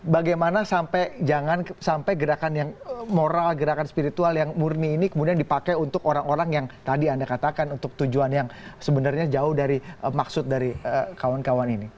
bagaimana sampai jangan sampai gerakan yang moral gerakan spiritual yang murni ini kemudian dipakai untuk orang orang yang tadi anda katakan untuk tujuan yang sebenarnya jauh dari maksud dari kawan kawan ini